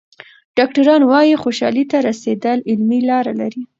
ډاکټران وايي خوشحالۍ ته رسېدل علمي لاره لري.